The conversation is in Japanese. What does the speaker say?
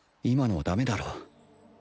今のはダメだろ